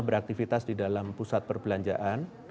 beraktivitas di dalam pusat perbelanjaan